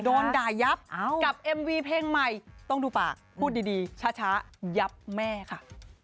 โดนด่ายับกับเอ็มวีเพลงใหม่ต้องดูปากพูดดีช้ายับแม่ค่ะ